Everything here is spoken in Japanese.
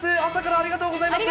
ありがとうございます。